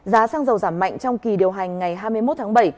giá xăng dầu giảm mạnh trong kỳ điều hành ngày hai mươi một tháng bảy